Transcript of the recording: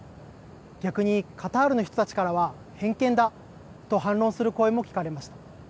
逆にカタールの人たちからは、偏見だと反論する声も聞かれました。